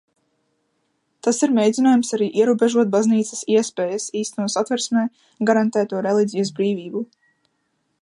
Tas ir mēģinājums arī ierobežot baznīcas iespējas īstenot Satversmē garantēto reliģijas brīvību.